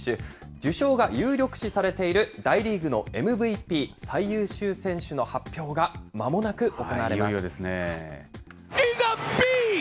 受賞が有力視されている大リーグのＭＶＰ・最優秀選手の発表がまいよいよですね。